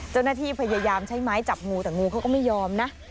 เจ้าหน้าที่พยายามใช้ไม้จับงูแต่งูเขาก็ไม่ยอมนะ